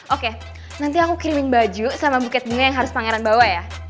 oke nanti aku creaming baju sama buket bunga yang harus pangeran bawa ya